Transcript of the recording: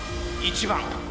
１番。